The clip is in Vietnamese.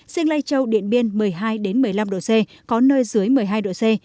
riêng lai châu điện biên một mươi hai một mươi năm độ c có nơi dưới một mươi hai độ c